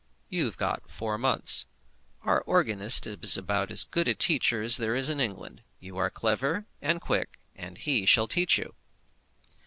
"You've got four months. Our organist is about as good a teacher as there is in England. You are clever and quick, and he shall teach you."